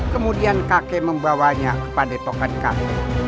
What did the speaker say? kemudian kakek membawanya kepada pokat kakek